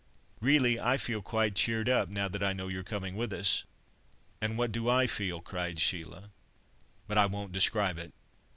Really I feel quite cheered up, now I know you're coming with us." "And what do I feel?" cried Sheila—"but I won't describe it."